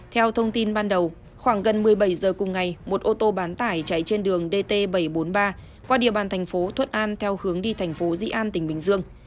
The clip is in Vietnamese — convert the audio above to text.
theo thông tin ban đầu khoảng gần một mươi bảy giờ cùng ngày một ô tô bán tải chạy trên đường dt bảy trăm bốn mươi ba qua địa bàn thành phố thuận an theo hướng đi thành phố dĩ an tỉnh bình dương